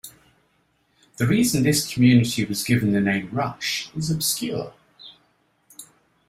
The reason this community was given the name Rush is obscure.